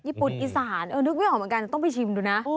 ญี่ปุ่นอีสานเออนึกไม่ออกเหมือนกันต้องไปชิมดูนะ